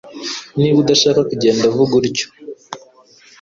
Niba udashaka kugenda vuga utyo